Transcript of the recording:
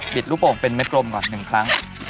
ปริดรูปงเป็นแมกรมก่อน๑ครั้ง